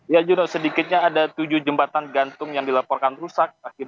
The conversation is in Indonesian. ya juno sedikitnya ada tujuh jembatan gantung yang dilaporkan rusak